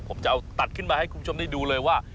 ผมจะเอาตัดขึ้นมาให้คุณผู้ชมได้ดูเลยว่า